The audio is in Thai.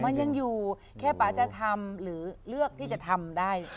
มันยังอยู่แค่ป๊าจะทำหรือเลือกที่จะทำได้